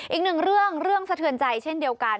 อีกหนึ่งเรื่องเรื่องสะเทือนใจเช่นเดียวกัน